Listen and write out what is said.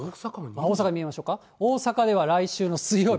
大阪見ましょうか、大阪では来週の水曜日。